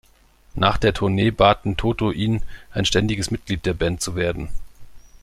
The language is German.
Nach der Tournee baten Toto ihn, ein ständiges Mitglied der Band zu werden.